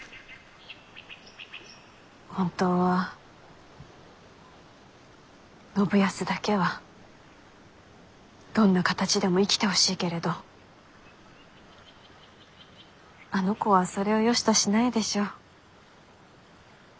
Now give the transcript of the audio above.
本当は信康だけはどんな形でも生きてほしいけれどあの子はそれをよしとしないでしょう。